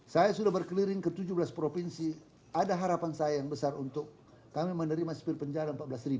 saya sudah berkeliling ke tujuh belas provinsi ada harapan saya yang besar untuk kami menerima sepil penjara empat belas